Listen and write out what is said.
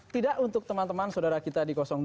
tidak untuk teman teman saudara kita di dua